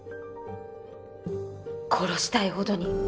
殺したいほどに。